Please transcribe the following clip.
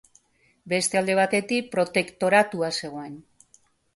Beste alde batetik protektoratua zegoen.